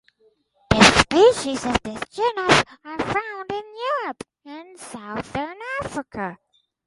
The species of this genus are found in Europe and Southern Africa.